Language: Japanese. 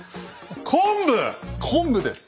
昆布です。